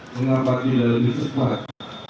mengapa tidak lebih cepat